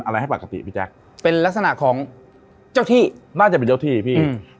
อะไรให้ปกติพี่แจ๊คเป็นลักษณะของเจ้าที่น่าจะเป็นเจ้าที่พี่อืม